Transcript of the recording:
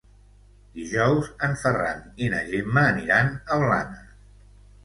Dijous en Ferran i na Gemma aniran a Blanes.